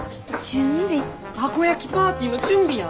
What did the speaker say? たこ焼きパーティーの準備や。